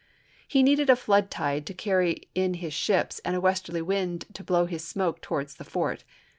He needed a flood tide to carry in his ships and a westerly wind to blow his smoke towards the fort.